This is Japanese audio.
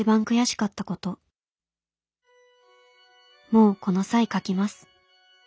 「もうこの際書きます。